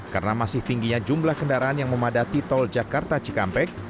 karena masih tingginya jumlah kendaraan yang memadati tol jakarta cikampek